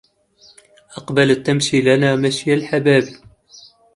أقبلت تمشي لنا مشي الحباب